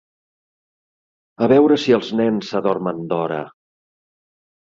A veure si els nens s'adormen d'hora.